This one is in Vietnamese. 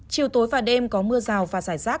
chiều tối và đêm có mưa rào và rải rác